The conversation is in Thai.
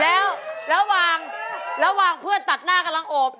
แล้วระหว่างเพื่อนตัดหน้ากำลังโอบ